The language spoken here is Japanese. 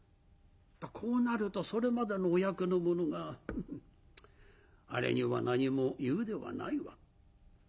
こうなるとそれまでのお役の者が「あれには何も言うではないわ」。